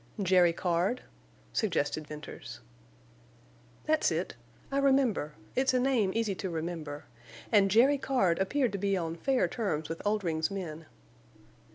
"Jerry Card?" suggested Venters. "That's it. I remember—it's a name easy to remember—and Jerry Card appeared to be on fair terms with Oldring's men."